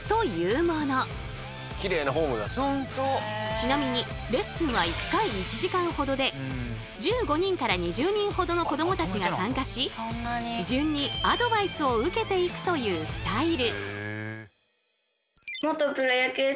ちなみにレッスンは１回１時間ほどで１５人から２０人ほどの子どもたちが参加し順にアドバイスを受けていくというスタイル。